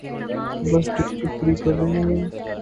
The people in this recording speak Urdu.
بس ڈیوٹی پوری کر رہے ہیں۔